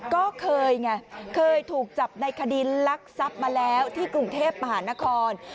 ก็เคยไงเคยถูกจับในคดีลักทรัพย์มาแล้วที่กรุงเทพมหานคร